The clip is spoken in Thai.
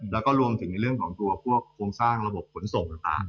แล้วก็รวมถึงในเรื่องของตัวพวกโครงสร้างระบบขนส่งต่าง